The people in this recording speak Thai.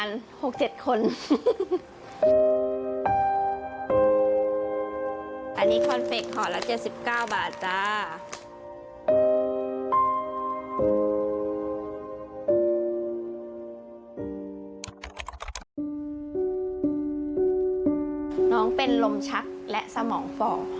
น้องเป็นลมชักและสมองฝ่อ